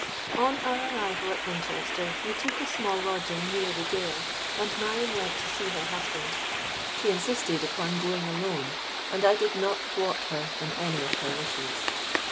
"On our arrival at Winchester, we took a small lodging near the goal; and Marion went to see her husband. She insisted upon going alone; and I did not thwart her in any of her wishes.